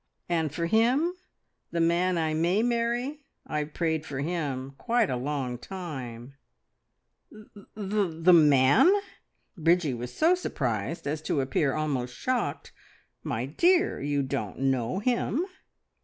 And for him the man I may marry. I've prayed for him quite a long time." "The ... the man!" Bridgie was so surprised as to appear almost shocked. "My dear, you don't know him!"